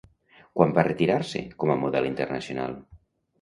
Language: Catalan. Quan va retirar-se com a model internacional?